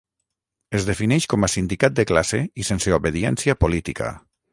Es defineix com a sindicat de classe i sense obediència política.